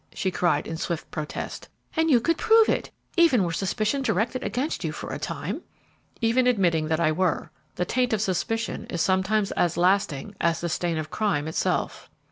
she cried in swift protest, "and you could prove it, even were suspicion directed against you for a time." "Even admitting that I were, the taint of suspicion is sometimes as lasting as the stain of crime itself."